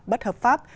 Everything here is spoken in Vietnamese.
bất hợp pháp